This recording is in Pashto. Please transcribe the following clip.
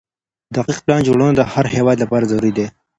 دقيق پلان جوړونه د هر هيواد لپاره ضروري ده.